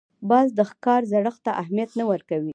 باز د ښکار زړښت ته اهمیت نه ورکوي